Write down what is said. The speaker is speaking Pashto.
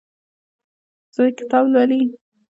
زوی کتاب لولي.